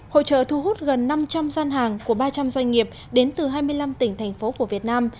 hội trợ thu hút gần năm trăm linh gian hàng của ba trăm linh doanh nghiệp đến từ hai mươi năm tỉnh thành phố của việt nam